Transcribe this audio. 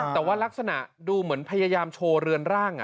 แต่ว่ารักษณะดูเหมือนพยายามโชว์เรือนร่าง